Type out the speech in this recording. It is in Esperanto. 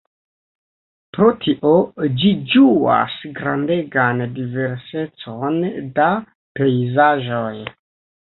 Pro tio ĝi ĝuas grandegan diversecon da pejzaĝoj.